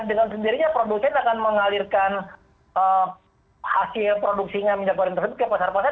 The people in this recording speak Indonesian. dengan sendirinya produsen akan mengalirkan hasil produksinya minyak warna tersebut ke pasarnya